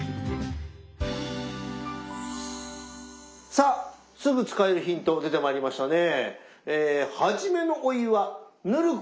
さあすぐ使えるヒント出てまいりましたね。